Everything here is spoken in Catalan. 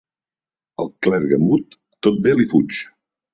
Al clergue mut tot bé li fuig.